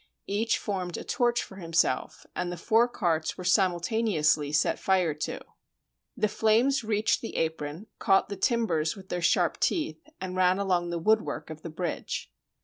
Each formed a torch for himself, and the four carts were simultaneously set fire to. The flames reached the apron, caught the timbers with their sharp teeth, and ran along the woodwork of the bridge.